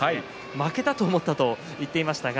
負けたと思ったと言っていました。